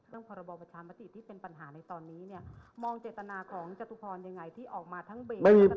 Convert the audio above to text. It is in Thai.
ต้องพรบบัตรธรรมติที่เป็นปัญหาในตอนนี้มองเจตนาของจตุพรอย่างไรที่ออกมาทั้งเบก